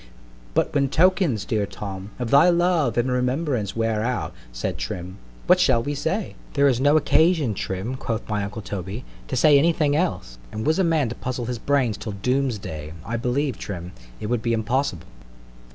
_" ——But when tokens, dear Tom, of thy love and remembrance wear out, said Trim, what shall we say? There is no occasion, Trim, quoth my uncle Toby, to say any thing else; and was a man to puzzle his brains till Doom's day, I believe, Trim, it would be impossible.